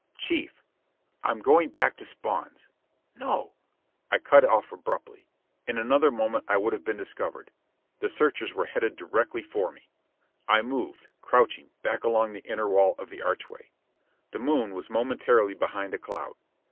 "Chief, I'm going back to Spawn's." "No " I cut off abruptly. In another moment I would have been discovered. The searchers were headed directly for me. I moved, crouching, back along the inner wall of the archway. The moon was momentarily behind a cloud.